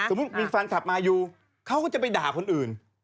สมมุติว่ามีแฟนคลับมาอยู่เขาก็จะไปด่าคนอื่น